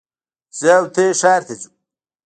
زه او ته ښار ته ځو